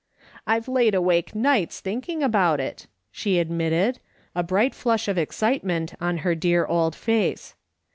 "I've laid awake nights thinking about it," she admitted, a bright flush of excitement on her dear old face.